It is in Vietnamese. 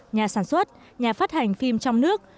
nhà sản xuất nhà phát hành phim trong nước